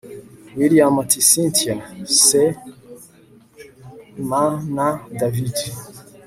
william ati cyntia se mn david